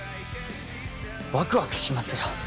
ワクワクしますよ